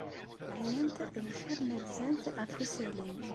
Ɛyant deffir ma rzant ɣef usalay.